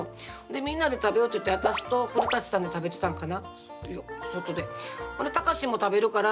みんなで食べようって言って私と古舘さんで食べてたんかな。